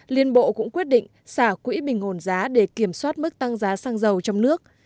liên bộ cũng quyết định xả quỹ bình ổn giá để kiểm soát mức tăng giá xăng dầu trong nước